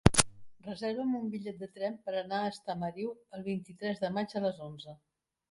Reserva'm un bitllet de tren per anar a Estamariu el vint-i-tres de maig a les onze.